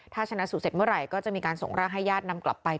ถ้าชนะสูตรเสร็จเมื่อไหร่ก็จะมีการส่งร่างให้ญาตินำกลับไป